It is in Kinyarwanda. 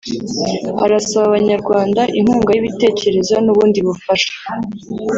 arasaba Abanyarwanda inkunga y’ibitekerezo n’ubundi bufasha